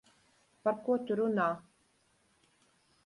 Par ko tu runā?